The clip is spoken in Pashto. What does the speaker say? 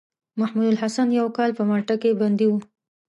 محمودالحسن يو کال په مالټا کې بندي وو.